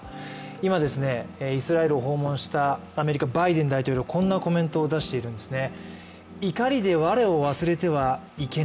今、イスラエルを訪問したアメリカ・バイデン大統領こんなコメントを出しているんですね。